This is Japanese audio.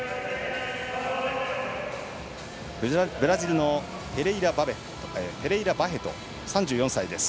ブラジルのペレイラバヘト３４歳です。